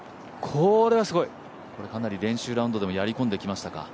これはかなり練習ラウンドでもやり込んできましたか？